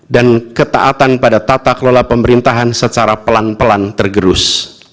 dan ketaatan pada tata kelola pemerintahan secara pelan pelan tergerus